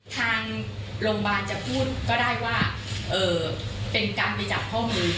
ทางโรงพยาบาลจะพูดก็ได้ว่าเป็นการไปจับข้อมือ